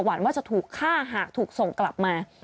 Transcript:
หวันว่าจะถูกฆ่าอ่ะถูกส่งกลับมา